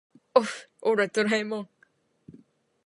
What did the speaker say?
おっふオラドラえもん